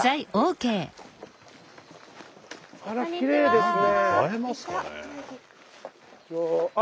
あらきれいですね。